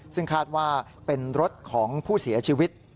ซึ่งคาดว่าเป็นรถของผู้เสียชีวิต